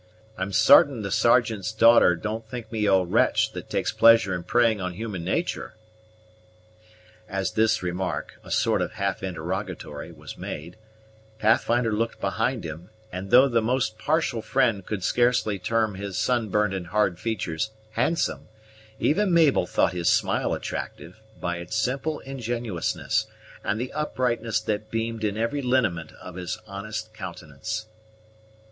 I'm sartain the Sergeant's daughter don't think me a wretch that takes pleasure in preying on human natur'?" As this remark, a sort of half interrogatory, was made, Pathfinder looked behind him; and, though the most partial friend could scarcely term his sunburnt and hard features handsome, even Mabel thought his smile attractive, by its simple ingenuousness and the uprightness that beamed in every lineament of his honest countenance.